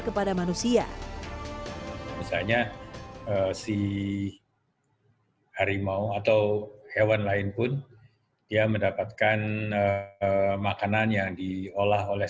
kepada manusia misalnya si harimau atau hewan lain pun dia mendapatkan makanan yang diolah oleh